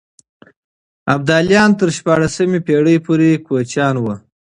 ابداليان تر شپاړسمې پېړۍ پورې کوچيان وو.